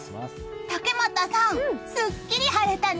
竹俣さん、すっきり晴れたね。